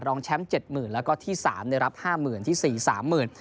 รองแชมป์๗๐๐๐๐บาทแล้วก็ที่๓ได้รับ๕๐๐๐๐บาทที่๔๓๐๐๐๐บาท